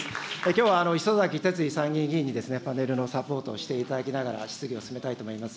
きょうはいそざきてつじ参議院議員に、パネルのサポートをしていただきながら、質疑を進めたいと思います。